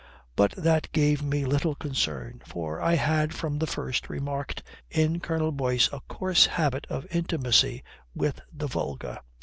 But that gave me little concern, for I had from the first remarked in Colonel Boyce a coarse habit of intimacy with the vulgar."